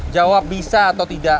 jawab bisa atau tidak